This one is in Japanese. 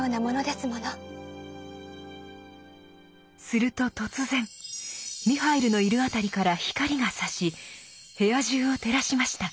すると突然ミハイルのいる辺りから光がさし部屋中を照らしました。